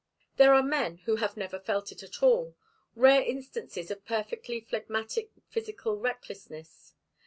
There are men who have never felt it at all, rare instances of perfectly phlegmatic physical recklessness.